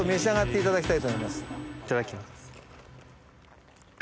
いただきます。